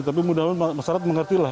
tapi mudah mudahan masyarakat mengertilah